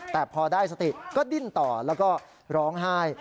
แต่พอได้สติก็ดิ้นต่อแล้วก็ร้องไห้